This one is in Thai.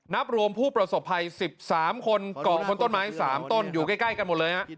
นับรวมผู้ประสบภัย๑๓คนกองบนต้นไม้๓ต้นอยู่ใกล้กันหมดเลยฮะ